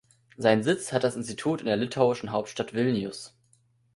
Seinen Sitz hat das Institut in der litauischen Hauptstadt Vilnius.